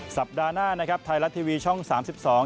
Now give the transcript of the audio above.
สัปดาห์หน้านะครับไทยรัฐทีวีช่องสามสิบสอง